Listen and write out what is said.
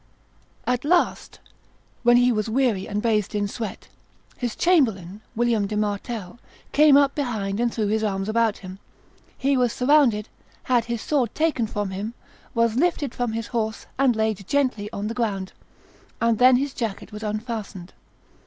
At last, when he was weary and bathed in sweat, his chamberlain, William de Martel, came up behind and threw his arms about him. He was surrounded, had his sword taken from him, was lifted from his horse, and laid gently on the ground, and then his jacket was unfastened.